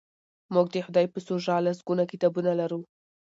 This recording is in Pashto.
موږ د خدای په سوژه لسګونه کتابونه لرو.